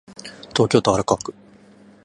東京都荒川区